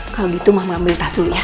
kalo gitu mama ambil tas dulu ya